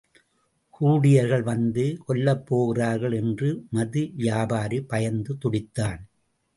கூர்டியர்கள் வந்து கொல்லப்போகிறார்கள் என்று மது வியாபாரி பயந்து துடித்தான்.